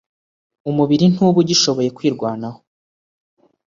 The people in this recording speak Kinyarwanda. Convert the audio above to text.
Umubiri ntuba ugishoboye kwirwanaho,